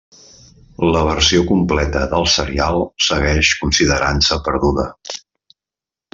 La versió completa del serial segueix considerant-se perduda.